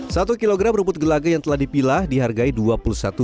satu kilogram rumput gelagai yang telah dipilah dihargai rp dua puluh satu ini untuk